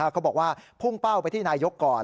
เขาบอกว่าพุ่งเป้าไปที่นายกก่อน